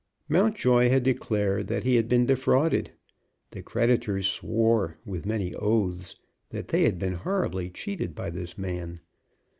Mountjoy had declared that he had been defrauded. The creditors swore, with many oaths, that they had been horribly cheated by this man.